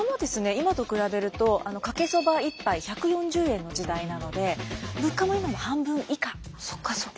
今と比べるとかけそば一杯１４０円の時代なので物価も今の半分以下でしたので。